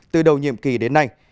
từ đầu nhiệm kỳ đến nay